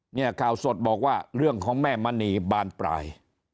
เนี่ยข่าวสดบอกว่าเรื่องของแม่มณีบานปลาย